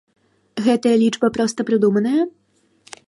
Гэтая лічба проста прыдуманая?